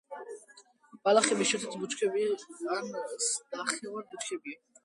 ბალახები, იშვიათად ბუჩქები ან ნახევრად ბუჩქებია.